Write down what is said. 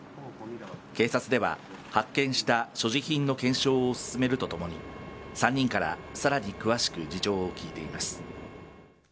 警察では発見した所持品の検証を進めるとともに、３人からさらに詳しく事情を聴いています。